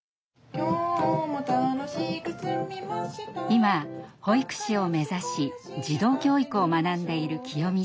今保育士を目指し児童教育を学んでいるきよみさん。